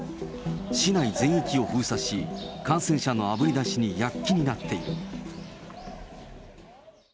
市内全域を封鎖し、感染者のあぶり出しに躍起になっている。